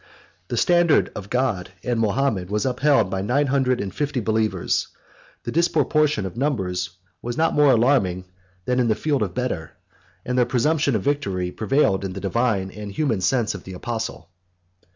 The standard of God and Mahomet was upheld by nine hundred and fifty believers: the disproportion of numbers was not more alarming than in the field of Beder; and their presumption of victory prevailed against the divine and human sense of the apostle.